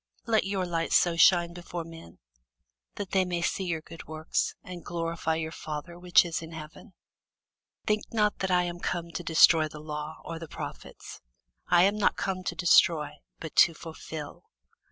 Let your light so shine before men, that they may see your good works, and glorify your Father which is in heaven. Think not that I am come to destroy the law, or the prophets: I am not come to destroy, but to fulfil.